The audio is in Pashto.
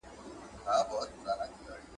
ورته رایې وړلي غوښي د ښکارونو ..